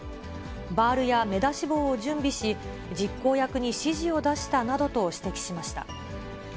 バールや目出し帽を準備し、実行役に指示を出したなどと指摘しました。